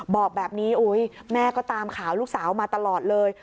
บอกแบบนี้แม่ก็ตามข่าวลูกสาวมาตลอดเลย